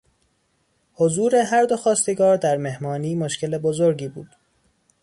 حضور هر دو خواستگار در مهمانی مشکل بزرگی بود.